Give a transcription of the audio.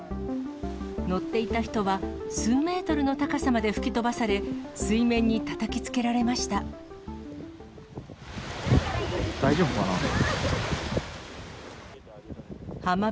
乗っていた人は数メートルの高さまで吹き飛ばされ、水面にたたき大丈夫かな。